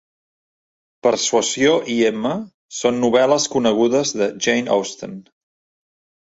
Persuasió i Emma són novel·les conegudes de Jane Austen.